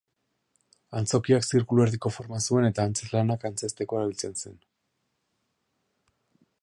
Antzokiak zirkuluerdiko forma zuen eta antzezlanak antzezteko erabiltzen zen.